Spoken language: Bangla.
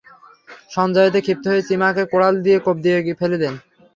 সঞ্জয় এতে ক্ষিপ্ত হয়ে চিমাকে কুড়াল দিয়ে কোপ দিয়ে ফেলে দেন।